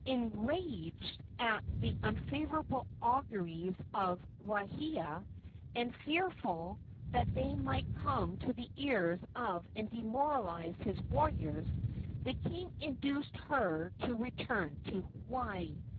Enraged at the unfavorable auguries of Waahia, and fearful that they might come to the ears of and demoralize his warriors, the king induced her to return to Hawaii.